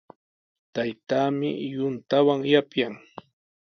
Taytaami yuntawan yapyan.